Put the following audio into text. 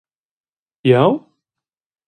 Jeu?